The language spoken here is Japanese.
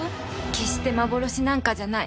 決して幻なんかじゃない。